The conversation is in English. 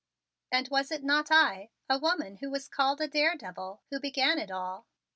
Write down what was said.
And was it not I, a woman who was called daredevil, who began it all?